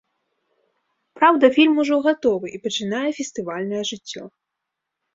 Праўда, фільм ужо гатовы і пачынае фестывальнае жыццё.